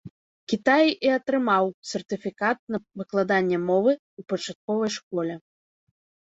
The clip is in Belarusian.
Кітаі і атрымаў сертыфікат на выкладанне мовы ў пачатковай школе.